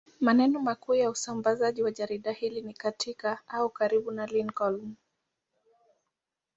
Maeneo makuu ya usambazaji wa jarida hili ni katika au karibu na Lincoln.